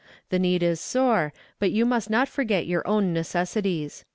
The need is sore, but you must not forget your own necessities."